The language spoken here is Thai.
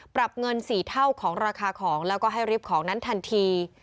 ปรับเงิน๔เท่าของราคาของแล้วก็ให้ริบของนั้นทันที